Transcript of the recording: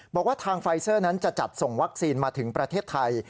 บอกว่าทางไฟเซอร์นั้นจะจัดส่งวัคซีนมาถึงประเทศไทย